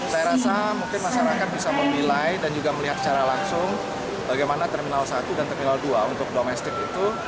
saya rasa mungkin masyarakat bisa menilai dan juga melihat secara langsung bagaimana terminal satu dan terminal dua untuk domestik itu